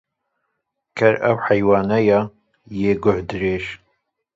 Ker ew heywane ye, yê guh dirêj